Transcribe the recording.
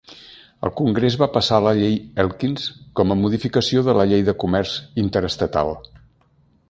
El congrés va passar la Llei Elkins com a modificació de la llei de comerç interestatal.